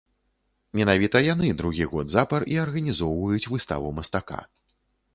Менавіта яны другі год запар і арганізоўваюць выставу мастака.